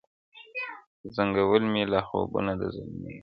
زنګول مي لا خوبونه د زلمیو شپو په ټال کي٫